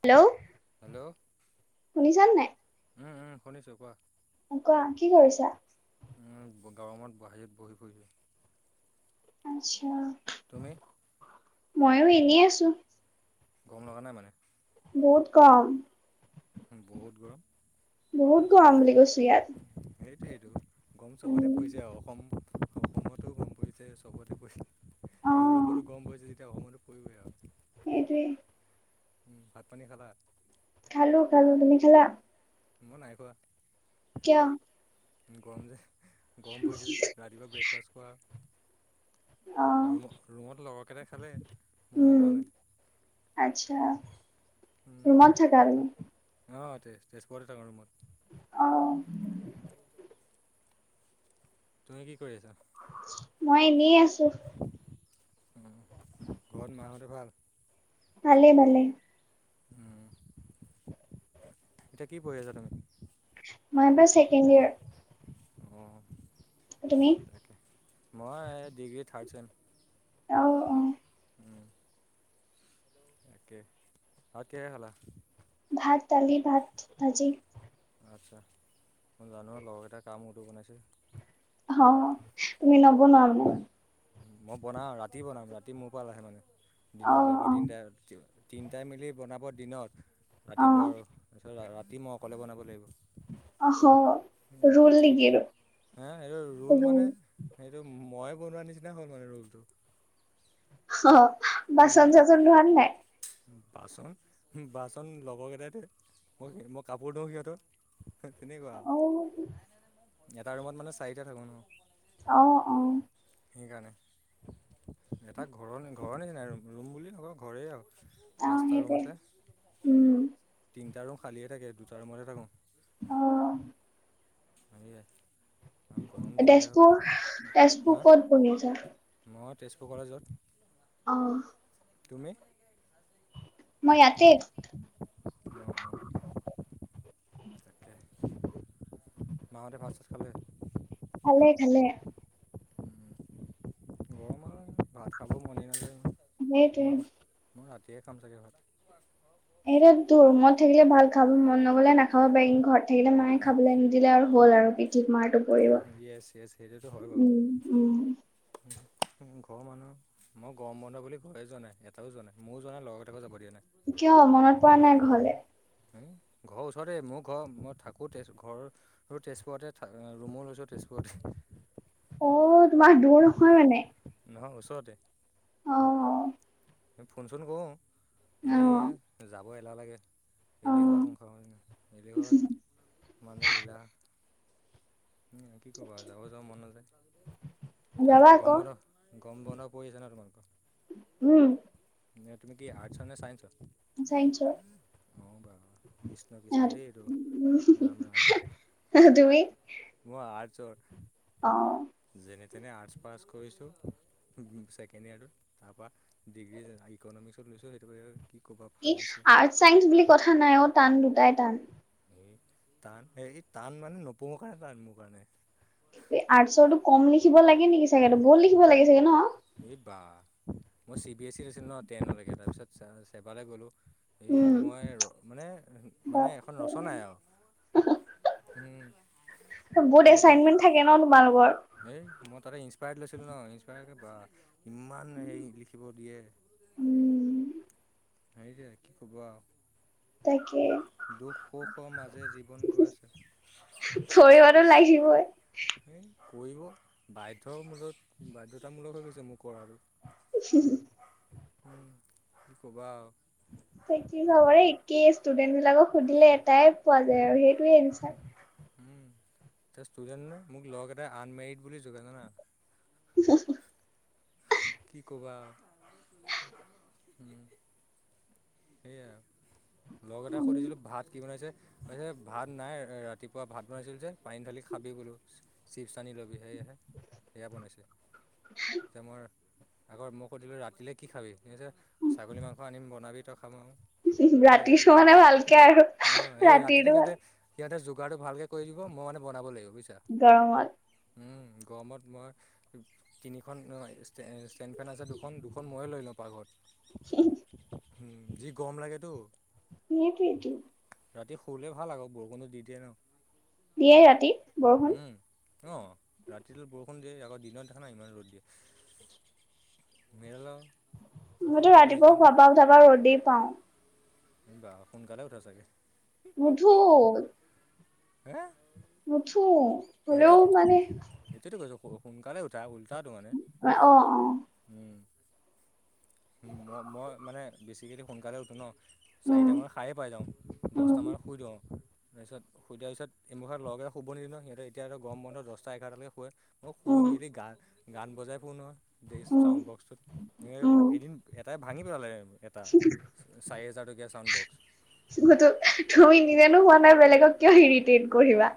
Hello. Hello, শুনিছানে নাই? উম্ উম্ শুনিছো কোৱা। কোৱা, কি কৰিছা? উম্, গৰমত বাহিৰত বহি ফুৰিছোঁ। আচ্ছা, তুমি মইয়ো এনেই আছো। গৰম লগা নাই মানে। বহুত গৰম। উ বহুত গৰম। বহুত গৰম বুলি কৈছোঁ ইয়াত। সেইটোৱেটো গৰম চবতে উম পৰিছে আৰু। অসম অসমতো। গৰম পৰিছে চবতে পৰিছে, অ' ইউৰোপতো গৰম পৰিছে যেতিয়া, অসমতো পৰিবই আৰু। সেইটোৱেই। ভাত পানী খালা? খালো খালো, তুমি খালা? মই নাই খোৱা। কিয়? গৰম যে, গৰম পৰিছে। ৰাতিপুৱা ব্ৰেকফাষ্ট কৰা। অ' ৰুম, ৰুমত লগৰকেইটাই খালে, উম মইহে খোৱা নাই। আচ্ছা, ৰুমত থাকা তুমি। অ' ইয়াতে তেজপুৰতে থাকো ৰুমত। অ'। তুমি কি কৰি আছা? মই এনেই আছো। উ, ঘৰত মাহঁতৰ ভাল। ভালে ভালে। এতিয়া কি পঢ়ি আছা তুমি? মাই এইবাৰ ছেকেণ্ড ইয়েৰ। অ', তুমি? তাকে মই ডিগ্ৰী থাৰ্ড ছেম। অ' অ' তাকে, ভাত কিহেৰে খালা? ভাত দালি, ভাত ভাজি। আচ্ছা, মই জানো। লগৰকেইটাই কা মোৰটো বনাইছে। অ', তুমি নবোনৱা মানে। মই বনাও, ৰাতি বনাম। ৰাতি মোৰ পাল আহে মানে, দিনত অ' লগৰ অ' তিনিটাই। তিনিটাই মিলি বনাব দিনত, ৰাতিপুৱা অ' আৰু। তাৰপিছত ৰাতি মই অকলে বনাব লাগিব। অ'হ'। হ, এইটো অ ৰোল মানে, সেইটো মই। বনোৱাৰ নিচিনা হ'ল মানে ৰোমটো। অহ্, বাচন চাচন ধোৱান নাই? বাচন, বাচন লগৰকেইটাই ধোৱে। মই, মই কাপোৰ ধো সিহঁতৰ। তেনেকুৱা, অ এটা ৰুমত মানে চাৰিটা থাকো ন। অ', অ'। সেইকাৰণে, এটা ঘৰৰ, ঘৰৰ নিচিনা। ৰুম বুলি নকয় ঘৰেই আৰু। অ পাঁচটা ৰুম সেইটোৱে আছে। উম তিনটা ৰুম খালিয়ে থাকে, দুটা ৰুমতে থাকো। অ'। আহিলে? তেজপুৰ হা তেজপুৰ ক'ত বনিছা? মই তেজপুৰ কলেজত। অ'। তুমি? মই ইয়াতেই। অঁ অঁ তাকে মাহতে ভাত খালে? খালে খালে। উম, গৰম আৰু, ভাত খাব মনে নাযায়। সেইটোৱেই। দেৰিকৈ খাম ছাগে ভাত। এইটো তো মত থাকিলে ভাল খাম, মন নগলে নাখা খাব পাৰি, ঘৰত থাকিলে মায়ে খাবলৈ নিদিলে আৰু হ'ল আৰু। ঠিক মাৰটো পৰিব ইয়েছ ইয়েছ সেইটোতো হয় বাৰু উম, উম। ঘৰৰ মানুহ মই গৰম বন্ধ বুলি ঘৰে যোৱা নাই, এটাও যোৱা নাই। ময়ো যোৱা নাই লগৰ কোটাকো যাব দিয়া নাই কিয় মনত পৰা নাই ঘৰলে? ঘৰৰ ওচৰতে মোৰ ঘৰ মই থাকোঁ তেজ ঘৰ তেজপুৰতে ৰুমো লৈছোঁ তেজপুৰতে। অ' তোমাৰ দূৰ নহয় মানে। নহয় ওচৰতে। অ', অ'। ফোনচোন কৰোঁ, এনেই যাব এলাহ লাগে। অ এলেহুৱা সংসাৰ হয় নে নহয়, এলেহুৱা যে, মানুহজন লীলা। উম, কি ক'বা যাব যাওঁ মন নাযায়। এতিয়া যাবা আকৌ গৰম বন্ধ, গৰম বন্ধ পৰি আছে ন' তোমালোকৰ? উম এনে তুমি কি আৰ্টছৰ নে চাইন্সৰ? দেই এইটো ৰাম ৰাম [unintelligible] তুমি? আৰ্টচৰ। অ'। যেনে আৰ্টছ পাছ কৰিছোঁ, ছেকেণ্ড ইয়েৰটোত তাৰপা ডিগ্ৰী যে ইক'নমিস্কত লৈছোঁ, সেইটো কি ক'বা কি ফালিছে আৰ্টচ চাইন্স বুলি কথা নাই অ' টান দুটাই টান। এ, টান, টান মানে নপঢ়ো কাৰণে টান মোৰ কাৰণে। আৰ্টচৰটো কম লিখিব লাগে নেকি চাগেতো বহুত লিখিব লাগে চাগে ন'? এই বাহ, মই চি বি এছ চিত আছিলোঁ ন' টেনলৈকে, তাৰপিছত চেবালৈ গ'লোঁ। হে, উম মই মানে মানে এখন বাপৰে, ৰচনাই আৰু। উম। বহুত এচাইনমেন্ট থাকে ন' তোমালোকৰ? হেই মই তাতে ইনস্পায়াৰ্ডত লৈছিলোঁ ন' ইনস্পায়াৰত বা ইম্মান হেৰি লিখিব দিয়ে। উম হেইজে কি ক'ব তাকে আৰু। দুখ সুখৰ মাজে জীৱন গৈ আছে। পঢ়িবতো লাগিবই। এই কৰিব বাধ্য মূলত বাধ্যতামূলক হৈ গৈছে মোৰ পঢ়াটো। [unintelligible] হুম, কি ক'বা আৰু। থাকি চবৰে একেই ষ্টুডেন্টবিলাকক সুধিলে এটাই পোৱা যায় আৰু সেই টোৱে এনছাৰ। উম, তই ষ্টুডেণ্ট নে, মোক লগৰকেইটাই আনমেৰিড বুলি জোকাই জানা? [unintelligible] কি কবা আৰু। সেইয়া। লগৰ এটাক সুধিছিলোঁ ভাত কি বনাইছে, কৈছে ভাত নাই ৰাতিপুৱা ভাত বনাইছিল যে পানী ঢালি খাই খাবি, বোলো চিপছ আনি ল'বি সেয়েহে, সেয়া বনাইছে। যেতিয়া মই আগত মই সুধিলোঁ ৰাতিলৈ কি খাবি, সি কৈছে ছাগলী মাংস আনিম বনাবি উম সেয়াই ৰাতিটো এতিয়া মানে ভালকে আৰু অ' এই ৰাতিটো সিহঁতে, সিঁহতে কুকাৰটো ভালকৈ কৰি দিব, মই মানে বনাব লাগিব বুজিছা। গৰমত গৰমত মই, তিনিখন ষ্টে ষ্টেণ্ড ফেন আছে দুখন দুখন ময়ে লৈ লওঁ পাকঘৰত। [unintelligible] উম যি গৰম লাগেতো। সেইটোৱেটো। ৰাতি শুলে ভাল আকৌ বৰষুণো দি দিয়ে আৰু। দিয়ে ৰাতি বৰষুণ উম, অ' ৰাতিটো বৰষুণ দিয়ে আগতে। দিনত দেখা নাই, ইমান ৰ'দ দিয়ে মেৰেল মইতো ৰাতিপুৱা শোৱাৰ পা উঠাপা ৰ'দেই পাওঁ। বাহ সোনকালে উঠা চাগে? নুঠো। হে? উঠো। সেইটো সেইটোতো, কৈছো সোনকালে উঠা। গাধোৱা নাই। অ অ মই - মই, মানে বেছিকেই সোনকালে উঠো ন। উম চাৰিটামান সাৰে পাই যাওঁ, উম দহটামান শুই দিওঁ। তাৰপিছত, শুই তাৰ পিছত এমখা লগে শুব নিদি [inaudible] সিহঁতে এতিয়া আৰু গৰম বন্ধ দহটা এঘাৰটা লকে শুৱে। মই শুই উম মেলি গা বজাই ফুৰো নহয় উম চাউণ্ড বক্সটোত। উম এদিন এটাই ভাঙি পেলালে এটা, চাৰি হাজাৰ টকীয়া চাউণ্ড বক্স অটো, তুমি নিজেনো শুৱা নাই বেলেগক কিয় ইৰিটেট কৰিবা?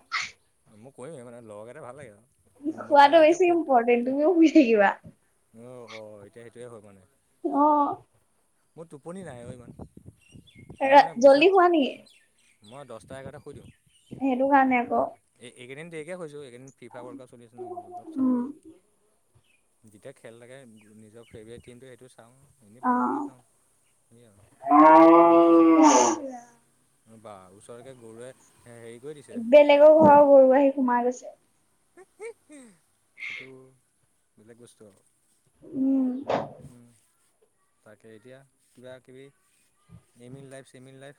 মই কৰিমেই মানে লগ এটা ভাল লাগে আৰু। ৰুমত থকা শুৱাটো বেছি ইম্পৰ্টেণ্ট, তুমিও শুই থাকিবা। অ', এতিয়া সেইটোয়ে হ'ল মানে অ মোৰ, টোপনি নাহে ইমান সোনকালে। ৰা, জল্দি হোৱা নেকি? মই দহটা এঘাৰটাত শুই দিওঁ। সেইটো কাৰণে আকৌ এইকে এককেইদিন দেৰিকে শুইছো ফিফা ৱৰ্ল্ড কাপ চলিছে ন অলপ চাব উম লাগিব। যেতিয়া খেল থাকে, নিজৰ ফেভৰেট টিমটো সেইটো চাওঁ এনেই অ বাকীবোৰ নাচাওঁ সেই আৰু কি কবা। বা ওচৰতে গৰুৱে হেৰি কৰি দিছে লোকৰ ঘৰৰ গৰু আহি সোমাই গৈছে। এইেটো বেলেগ বস্তু আৰু। উম। তাকে, এতিয়া কিবা - কিবি এমিল লাইফ, চেম ইণ লাইফ?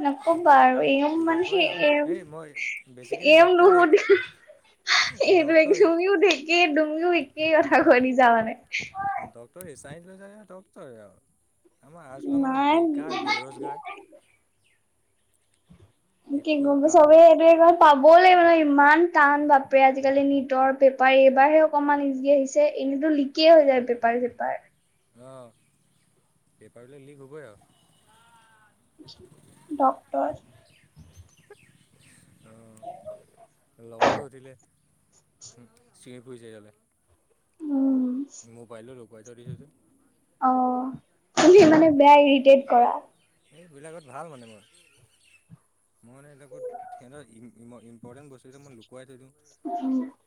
নকবা আৰু এই মানে ডক্তৰে সেই আৰু এ [unintelligible] এই মই বেচিকেলি ডক্তৰেই এইটোৱেই টো, তুমিও একেই তুমিও একেই কথা কৈ দিছা মানে। চাই লৈ যত আৰু আমাৰ [inaudible] মানুহ ইমান বেকাৰ বেৰোজগাৰ। কি গব কাম চবেই এইটো পাব পাবলৈ মানে ইমান টান বাপৰে আজিকালি নিটৰ পেপাৰ এইবাৰহে অকণমান ইজি আহিছে এনে এনেইটো লিকে হৈ যায় পেপাৰ- চেপাৰ। অ', পেপাৰটো লিক হ'বই আৰু। ডক্তৰ লগৰটো উঠিলে, চিঞৰি ফুৰিছে ইয়ালে। উম মোবাইলটো লুকুৱাই থৈ দিছোঁ যে অহ তুমি মানে বেয়া ইৰিটেট কৰা। এইবিলাকত ভাল মানে মই। মই মানে সিহঁতঘৰত, সিহঁতৰ ইম্পৰ্টেণ্ট বস্তুবোৰ লুকোৱা লুকুৱাই থৈ দিও,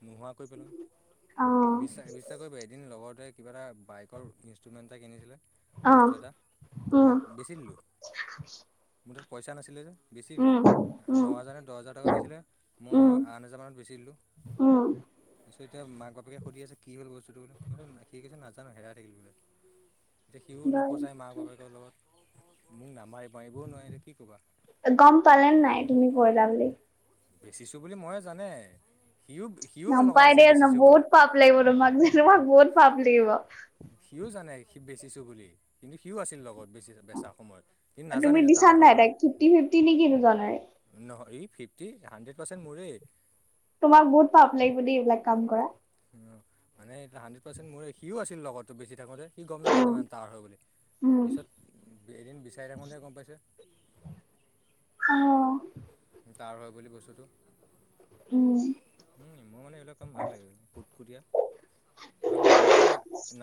নোহোৱা কৰি অ পেলাও। বিশ্বাস- বিশ্বাস কৰিব এদিন লগৰটোৱে কিবা এটা বাইকৰ ইনষ্ট্ৰুমেণ্ট এটা কিনিছিলে। অ বস্তু এটা, মই উম বেচি দিলোঁ মোৰ তাত পইচা নাছিলে যে। বেছি দিলোঁ, উম উম ন হাজাৰ নে দহ হোজাৰ টকা লৈছিলে মই আঠ হোজাৰ মানত বেছি দিলোঁ। অ' ত, এতিয়া মাক বাপেকে সুধি আছে কি হ'ল বস্তুটো টো মই সি কৈছে নাজানো হেৰাই থাকিল বোলে। এতিয়া সিও বাৰু নফচাই মাক - বাপেকৰ লগত মোক নাম। গ'ম পালে নে নাই তুমি কৰিলা বুলি। বেচিছো বুলি ময়ে জানে। সিও সিও লগত নাপায় আছে দে ন, বেচিছোঁ বহুত বুলি পাপ লাগিব তোমাক যে তোমাক বহুত পাপ লাগিব। সিও জানে বেচিছোঁ বুলি কিন্তু সিও আছিল লগত। বেছি, বেচা সময়ত। কিন্তু নাজানে তুমি এইটো দিছা তাৰ হয় নাই বুলি তাইক ফিফটি ফিফটি নেকি দুজনৰে? নহয় ই। হানড্ৰেড পাৰ্চেণ্ট মোৰেই। তোমাক বহুত পাপ লাগিব দেই এইবিলাক কাম কৰা। অ' মানে, এতিয়া হাণ্ড্ৰেড পাৰ্চেন্টে মোৰ সিও আছিল লগতটো বেছি থাকোতে। সি গ'ম নাপালে মানে তাঁৰ হয় বুলি, উম, পিছত এদিন বিচাৰি থাকোঁতে গ'ম পাইছে। আহ কাৰ হয় বুলি বস্তুটো। উম। উম, মোৰ মানে এইবিলাক কাম ভাল লাগে কুটকুটিয়া। আৰু লগ কেইটা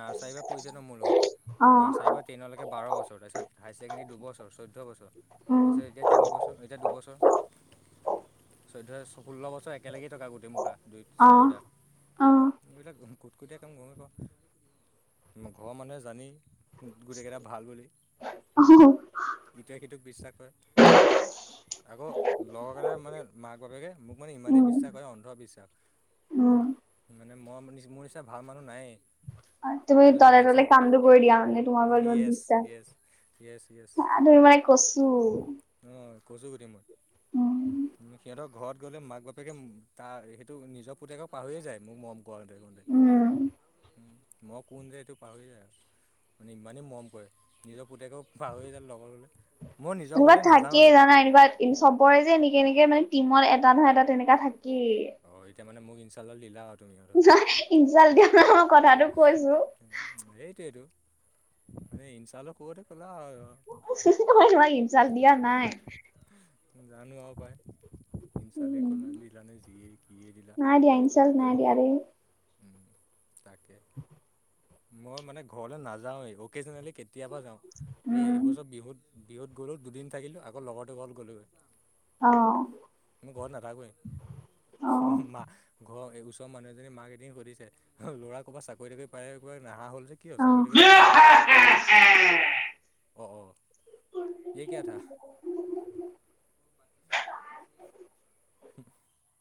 নাৰ্চাৰীৰ পৰা পঢ়িছে ন মোৰ লগত। নাৰ্চাৰীৰ অ', পৰা টেইনলৈকে বাৰ বছৰ, তাৰপিছত হাইৰ ছেকেণ্ডেৰী দুবছৰ চৈধ্য বছৰ। উম, তাৰপিছত এতিয়া তিনিবছৰ, এতিয়া দুবছৰ। অ' চৈধ্যয় ষোল্ল বছৰ একেলগে থকা গোটেই মুখা দুই অ', চাৰিটা অ', এইবিলাক। কুটকোটিয় কাম মইয়ে পাওঁ ঘৰৰ মানুহে জানে। গোটেইকেইটা ভাল বুলি ইটোৱে সিটোক বিশ্বাস কৰে। আকৌ লগৰ কেইটা মানে মাক বাপেকে মোক মানে ইমানেই উম, বিশ্বাস কৰে। অন্ধবিশ্বাস উম। মই নি মোৰ নিচিনা ভাল মানুহ নাই। তুমি তলে তলে কামটো কৰি দিয়া মানে তোমাৰ পৰা যোন য়েছ বিশ্বাস। য়েছ য়েছ য়েছ হাহ ধৰি মাৰি মানে কছু। কচুগুটি মই। উম। সিহঁতৰ ঘৰত গ'লে মাক বাপেকে তাৰ সেইটো নিজৰ পুতেয়ক পাহৰিয়ে যায় মোক মৰম কৰোতে। উম। উম, মই কোন যে এইটো পাহৰি যায় আৰু। মানে ইমানেই মৰম কৰে, নিজৰ পুতেকেক পাহৰি যাম লগৰ ল'লে। তোমাৰ থাকিয়ে জানা এনিবা চবৰে যে কেনেকে মানে টিমত এটা নহয় এটা তেনেকা থাকে। অঁ এতিয়া মানে মোক ইঞ্চাচাললীলা। ন ইঞ্চাল দিয়া ন মই কথাতটো কৈছো। ইঞ্চালো [unintelligible] মই তোমাক ইনঞ্চাল দিয়া নাই। জানো আৰু পায় ইঞ্চাচাল উম, কলা দিলানে। যিয়ে কিয়ে দিলা নাই দিয়া ইনচাল্ট নাই দিয়া দেই। উম তাকে মই মানে ঘৰলে নাযাওয়ে অকেচনেলি কেতি কেতিয়াবা যাওঁ এই উম, এইবছৰ বিহুত বিহুত গ'লো দুদিন থাকিলো আকৌ লগৰতোৰ ঘৰত গ'লোগে। অ', মই ঘৰত নাথাকোয়ে। মাক ঘৰ ওচৰৰ মানুহ এজনীয়ে মাক এদিন সুধিছে ল'ৰা ক'বাত চাকৰি-তাকৰি পাই গৈ নাহা হ'ল সুধিছে কি হ'ল অ', চাকৰি-তাকৰি নিকি? [unintelligible] অ। [unintelligible] [inaudible]